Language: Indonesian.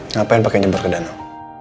ngapain pake nyebur ke danau